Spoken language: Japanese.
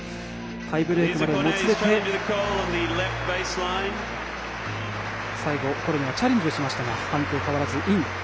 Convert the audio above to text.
タイブレークまでもつれて最後、コルネはチャレンジをしましたが判定変わらずイン。